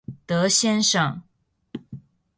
德先生